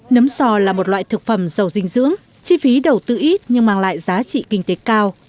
nấm sò là một loại thực phẩm giàu dinh dưỡng chi phí đầu tư ít nhưng mang lại giá trị kinh tế cao